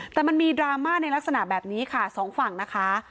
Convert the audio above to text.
แต่มันมีดราม่าในลักษณะแบบนี้ค่ะสองฝั่งนะคะ